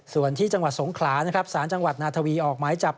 ส่วนที่จังหวัดสงขลานะครับสารจังหวัดนาทวีออกหมายจับ